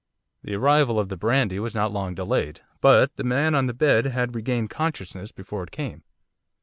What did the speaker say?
The arrival of the brandy was not long delayed, but the man on the bed had regained consciousness before it came.